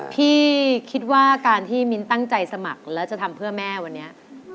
คิดว่าการที่มิ้นตั้งใจสมัครแล้วจะทำเพื่อแม่วันนี้